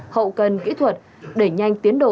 hậu cần kỹ thuật đẩy nhanh tiến độ